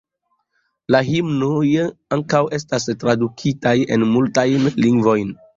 La himnoj ankaŭ estas tradukitaj en multajn lingvojn.